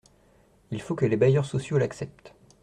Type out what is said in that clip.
Il faut que les bailleurs sociaux l’acceptent.